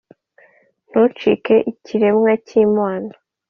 Ntukice ikiremwa cy'Imana